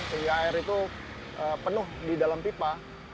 sehingga air itu penuh di dalam pipa